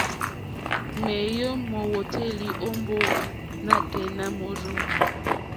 Ŋwéyò mówǒtélì ó mbówà nǎtɛ̀ɛ̀ nà môrzô.